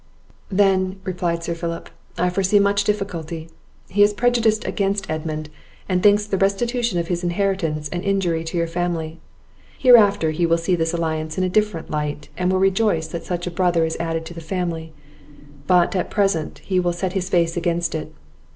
"Then," replied Sir Philip, "I foresee much difficulty; he is prejudiced against Edmund, and thinks the restitution of his inheritance an injury to your family. Hereafter he will see this alliance in a different light, and will rejoice that such a brother is added to the family; but, at present, he will set his face against it.